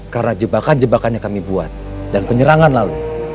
karena jebakan jebakannya kami buat dan penyerangan lalu